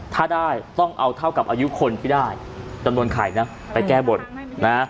ถ้าได้ต้องเอาเท่ากับอายุคนที่ได้จำนวนไข่นะไปแก้บนนะ